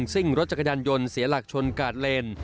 ซึ่งรถจักรยานยนต์เสียหลักชนกาดเลน